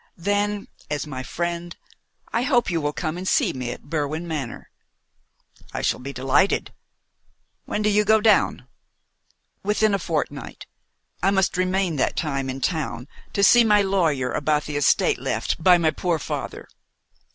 "Then as my friend I hope you will come and see me at Berwin Manor." "I shall be delighted. When do you go down?" "Within a fortnight. I must remain that time in town to see my lawyer about the estate left by my poor father."